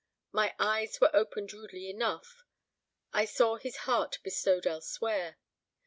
My eyes were opened rudely enough. I saw his heart bestowed elsewhere.